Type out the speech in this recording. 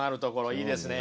いいですね。